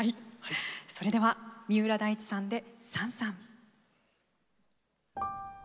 それでは三浦大知さんで「燦燦」。